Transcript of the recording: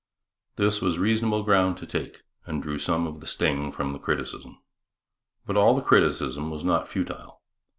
This was reasonable ground to take and drew some of the sting from the criticism. But all the criticism was not futile.